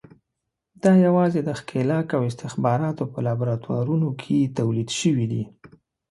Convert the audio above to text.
دا یوازې د ښکېلاک او استخباراتو په لابراتوارونو کې تولید شوي دي.